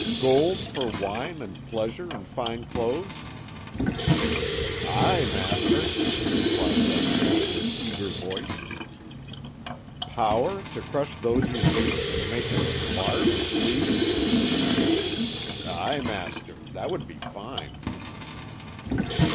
"Gold, for wine, and pleasure, and fine clothes?" "Aye, master," replied Gautran with eager voice. "Power, to crush those you hate, and make them smart and bleed?" "Aye, master. That would be fine."